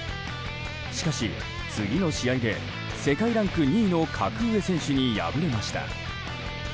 しかし、次の試合で世界ランク２位の格上選手に敗れました。